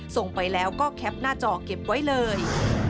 ส่งไปแล้วก็แคปหน้าจอเก็บไว้เลย